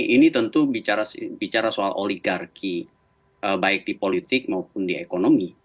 ini tentu bicara soal oligarki baik di politik maupun di ekonomi